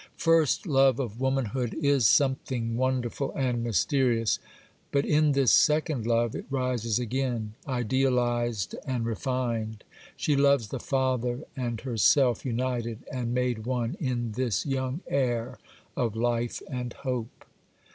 First love of womanhood is something wonderful and mysterious,—but in this second love it rises again, idealized and refined: she loves the father and herself united and made one in this young heir of life and hope.